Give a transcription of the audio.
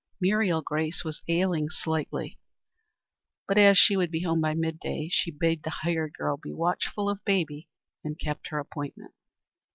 Muriel Grace was ailing slightly, but as she would be home by mid day, she bade the hired girl be watchful of baby, and kept her appointment.